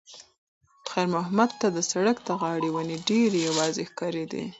خیر محمد ته د سړک د غاړې ونې ډېرې یوازې ښکارېدې.